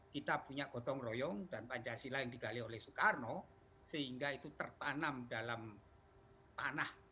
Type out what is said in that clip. kita punya gotong royong dan pancasila yang digali oleh soekarno sehingga itu tertanam dalam panah